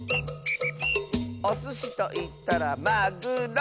「おすしといったらまぐろ！」